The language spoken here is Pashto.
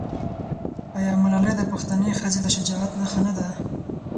آیا ملالۍ د پښتنې ښځې د شجاعت نښه نه ده؟